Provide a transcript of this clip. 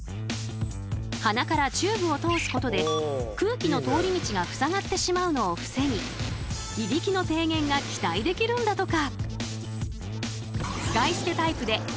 鼻からチューブを通すことで空気の通り道がふさがってしまうのを防ぎいびきの低減が期待できるんだとか！